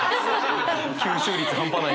吸収率半端ないな。